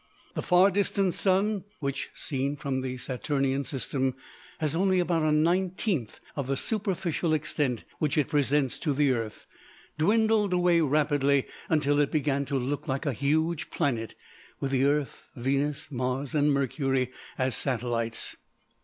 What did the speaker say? The far distant Sun, which, seen from the Saturnian System, has only about a nineteenth of the superficial extent which it presents to the Earth, dwindled away rapidly until it began to look like a huge planet, with the Earth, Venus, Mars, and Mercury as satellites.